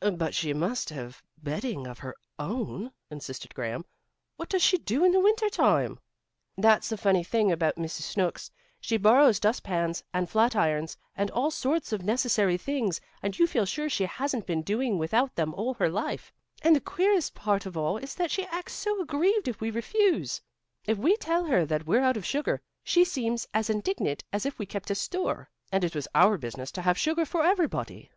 "But she must have bedding of her own," insisted Graham. "What does she do in the winter time?" "That's the funny thing about Mrs. Snooks. She borrows dust pans, and flat irons and all sorts of necessary things and you feel sure that she hasn't been doing without them all her life. And the queerest part of all is that she acts so aggrieved if we refuse. If we tell her that we're out of sugar, she seems as indignant as if we kept a store, and it was our business to have sugar for everybody."